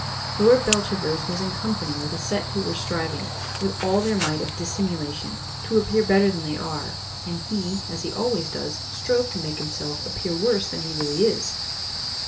"Lord Beltravers was in company with a set who were striving, with all their might of dissimulation, to appear better than they are, and he, as he always does, strove to make himself appear worse than he really is."